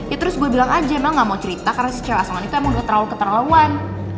ya terus gue bilang aja mel gak mau cerita karena si cewek asongan itu emang udah terlalu keterlawan